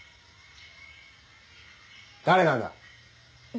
誰なんだ？